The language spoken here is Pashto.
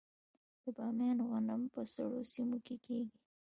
د بامیان غنم په سړو سیمو کې کیږي.